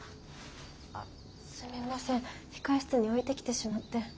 あっすみません控え室に置いてきてしまって。